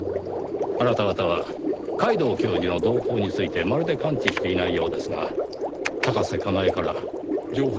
あなた方は皆藤教授の動向についてまるで関知していないようですが高瀬佳奈恵から情報を得ていたのではありませんか？